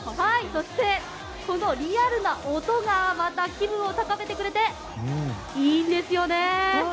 そして、このリアルな音がまた気分を高めてくれていいんですよね。